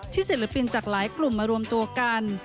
ศิลปินจากหลายกลุ่มมารวมตัวกัน